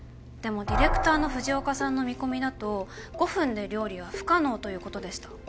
でもディレクターの藤岡さんの見込みだと５分で料理は不可能ということでした。